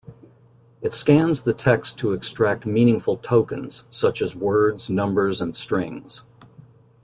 It scans the text to extract meaningful "tokens", such as words, numbers, and strings.